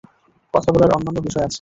কথা বলার অন্যান্য বিষয় আছে।